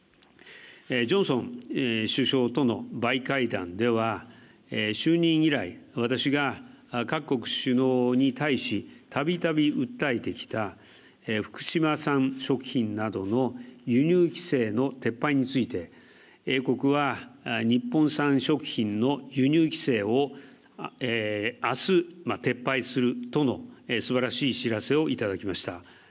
ジョンソン首相とのバイ会談では、就任以来、私が各国首脳に対したびたび訴えてきた福島産食品などの輸入規制の撤廃について、英国は日本産食品の輸入規制をあす、撤廃するとのすばらしい知らせをいただきました。